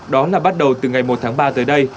đó là bắt đầu từ ngày một tháng ba tới đây